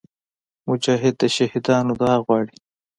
مجاهد د شهیدانو دعا غواړي.